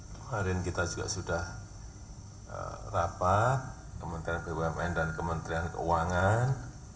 kemarin kita juga sudah rapat kementerian bumn dan kementerian keuangan